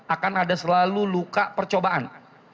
akan ada selalu luka percobaan